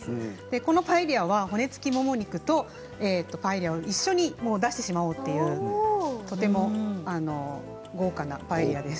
このパエリアは骨付きもも肉とパエリアを一緒に出してしまおうというとても豪華なパエリアです。